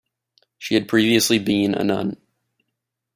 She had previously been a nun.